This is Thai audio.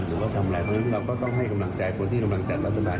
ว่าทำอะไรเพราะฉะนั้นเราก็ต้องให้กำลังใจคนที่กำลังจัดรัฐบาล